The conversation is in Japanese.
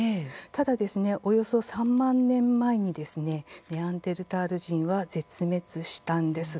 ただですね、およそ３万年前にネアンデルタール人は絶滅したんです。